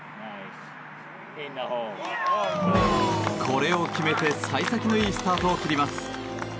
これを決めて幸先のいいスタートを切ります。